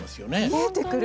見えてくる。